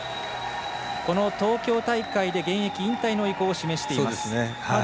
この東京大会で現役引退の意向を示しています。